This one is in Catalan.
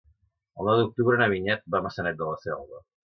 El nou d'octubre na Vinyet va a Maçanet de la Selva.